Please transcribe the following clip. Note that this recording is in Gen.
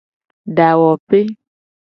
Dawope.